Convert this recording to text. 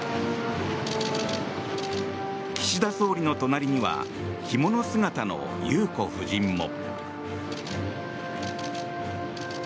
岸田総理の隣には着物姿の裕子夫人も。